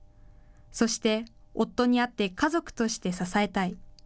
そして夫に会って家族として支えたい。